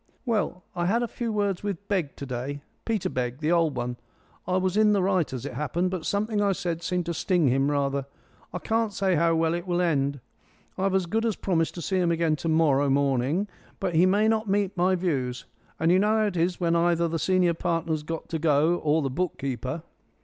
"Well, I had a few words with Begg to day Peter Begg, the old one. I was in the right, as it happened, but something I said seemed to sting him rather. I can't say how it will end. I've as good as promised to see him again to morrow morning, but he may not meet my views. And you know how it is when either the senior partner's got to go or the book keeper."